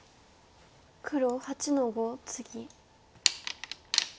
黒８の五ツギ。